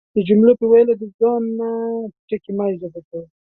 د جملو په ويلو کی دا ځان نه ټکي مه اضافه کوئ،